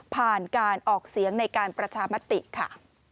ผ่านการออกเสียงในการประชามติค่ะ